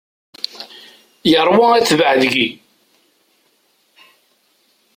Yerwa atbaɛ deg-i.